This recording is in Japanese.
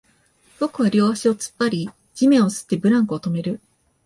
僕は両足を突っ張り、地面を擦って、ブランコを止める